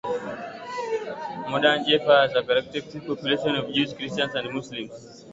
Modern Jaffa has a heterogeneous population of Jews, Christians, and Muslims.